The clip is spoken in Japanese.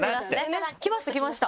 きましたきました。